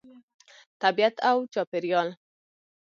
طبیعت او چاپیریال